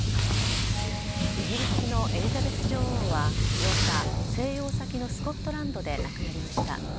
イギリスのエリザベス女王は８日静養先のスコットランドで亡くなりました。